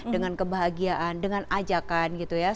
dengan kebahagiaan dengan ajakan gitu ya